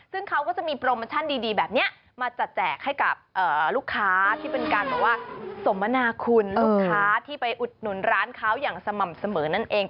ซึ่งเขาก็จะมีโปรโมชั่นดีแบบนี้มาจัดแจกให้กับลูกค้าที่เป็นการแบบว่าสมนาคุณลูกค้าที่ไปอุดหนุนร้านเขาอย่างสม่ำเสมอนั่นเอง